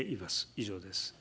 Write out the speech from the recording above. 以上です。